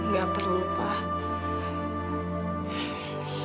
gak perlu pak